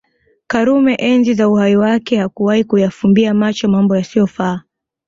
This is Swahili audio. karume enzi za uhai wake hakuwahi kuyafumbia macho Mambo yasiofaa